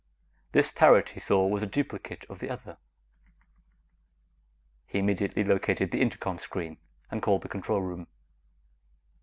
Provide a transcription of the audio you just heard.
This turret, he saw, was a duplicate of the other. He immediately located the intercom screen and called the control room.